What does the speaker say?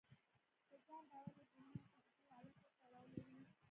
په ځان باور له ذهني او فزيکي حالت سره تړاو لري.